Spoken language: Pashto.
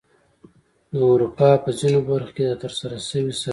د اروپا په ځینو برخو کې د ترسره شوې سروې